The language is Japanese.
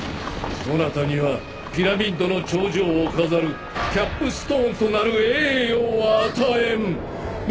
そなたにはピラミッドの頂上を飾るキャップストーンとなる栄誉を与えん！